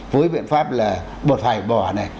với biện pháp là bột hải bỏ này